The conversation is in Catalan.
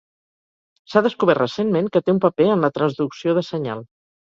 S'ha descobert recentment que té un paper en la transducció de senyal.